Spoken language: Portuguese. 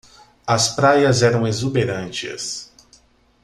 As praias eram exuberantes.